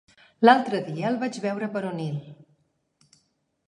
L'altre dia el vaig veure per Onil.